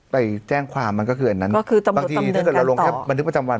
ไปแจ้งความมันก็คืออันนั้นถ้าเราลงบันทึกประจำวัน